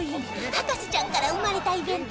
『博士ちゃん』から生まれたイベント